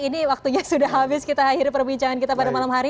ini waktunya sudah habis kita akhir perbincangan kita pada malam hari